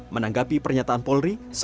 menanggapi pernyataan penyelidikan